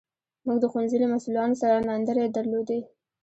موږ د ښوونځي له مسوولانو سره ناندرۍ درلودې.